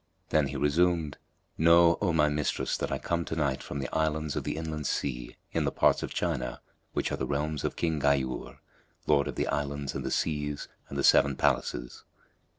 Then he resumed, "Know, O my mistress, that I come to night from the Islands of the Inland Sea in the parts of China, which are the realms of King Ghayúr, lord of the Islands and the Seas and the Seven Palaces.